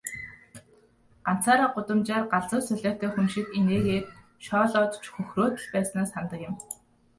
Ганцаараа гудамжаар галзуу солиотой хүн шиг инээгээд, шоолоод ч хөхрөөд л байснаа санадаг юм.